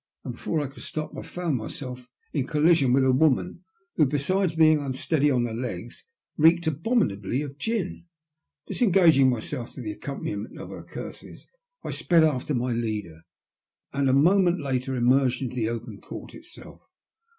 " and before I could stop I found myself in collision with a woman who, besides being unsteady on her legs, reeked abominably of gin. Disengaging myself, to the accompaniment of her curses, I sped after my leader, and a moment later emerged into the open court itself.